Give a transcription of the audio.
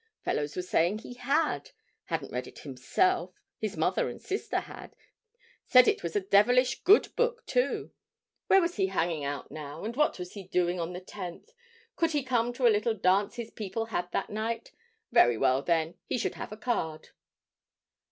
Fellows were saying he had; hadn't read it himself; his mother and sister had; said it was a devilish good book, too. Where was he hanging out now, and what was he doing on the 10th? Could he come to a little dance his people had that night? Very well, then, he should have a card.